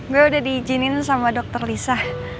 gue udah diizinin sama dokter lisa